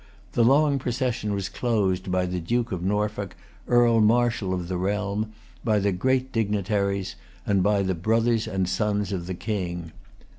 The long procession was closed by the Duke of Norfolk, Earl Marshal of the realm, by the great dignitaries, and by the brothers and sons of the King.